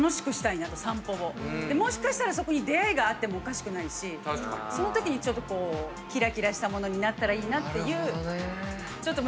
もしかしたらそこに出会いがあってもおかしくないしそのときにキラキラしたものになったらいいなっていう。